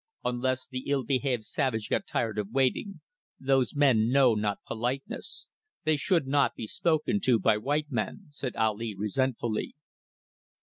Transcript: "Unless the ill behaved savage got tired of waiting. Those men know not politeness. They should not be spoken to by white men," said Ali, resentfully.